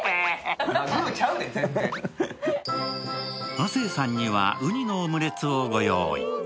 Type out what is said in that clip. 亜生さんにはうにのオムレツをご用意。